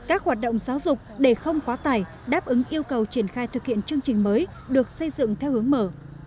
các hoạt động giáo dục để không quá tải đáp ứng yêu cầu triển khai thực hiện chương trình mới được xây dựng theo hướng mở